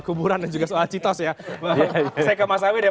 kuburan dan juga soal citos ya saya ke mas awi deh